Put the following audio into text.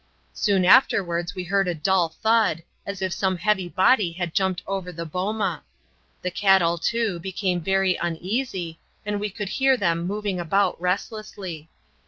Soon afterwards we heard a dull thud, as if some heavy body had jumped over the boma. The cattle, too, became very uneasy, and we could hear them moving about restlessly.